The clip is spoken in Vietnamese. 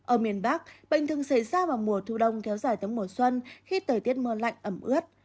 ở miền bắc bệnh thường xảy ra vào mùa thu đông kéo dài tới mùa xuân khi thời tiết mưa lạnh ẩm ướt